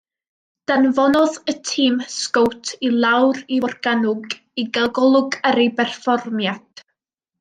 Danfonodd y tîm sgowt i lawr i Forgannwg i gael golwg ar ei berfformiad.